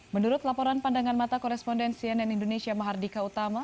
menurut laporan pandangan mata korespondensi nn indonesia mahardika utama